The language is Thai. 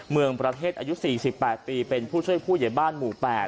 เมืองประเทศอายุ๔๘ปีเป็นผู้ช่วยผู้ใหญ่บ้านหมู่๘